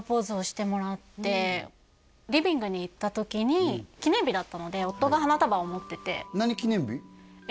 リビングに行った時に記念日だったので夫が花束を持ってて何記念日？